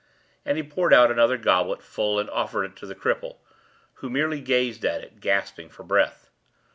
and he poured out another goblet full and offered it to the cripple, who merely gazed at it, gasping for breath.